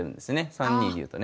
３二竜とね。